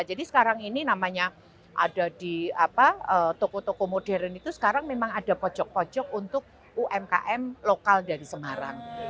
jadi sekarang ini namanya ada di toko toko modern itu sekarang memang ada pojok pojok untuk umkm lokal dari semarang